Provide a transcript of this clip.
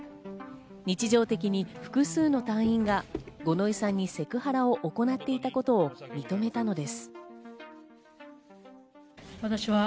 日常的に複数の隊員が五ノ井さんにセクハラを行っていたことを認めたのです。